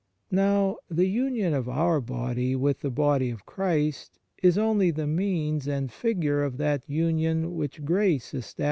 Now, the union of our body with the Body of Christ is only the means and figure of that union which grace estab 1 i Cor.